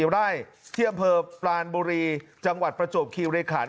๑๔ไร่เที่ยวเผอร์ปลานบุรีจังหวัดประจบคีย์เรขัน